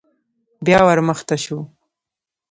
بيا ور مخته شو.